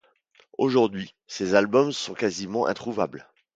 Aujourd'hui ces albums sont quasiment introuvables.